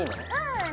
うん。